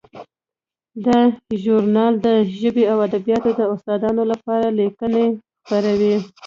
دا ژورنال د ژبو او ادبیاتو د استادانو لپاره لیکنې خپروي.